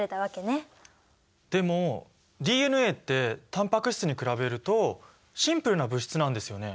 でもＤＮＡってタンパク質に比べるとシンプルな物質なんですよね。